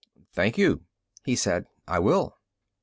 "Thank you," he said. "I will."